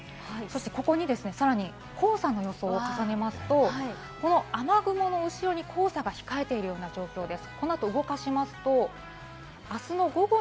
ここに、さらに黄砂の予想も重ねますと雨雲の後ろに黄砂が控えているような状況です。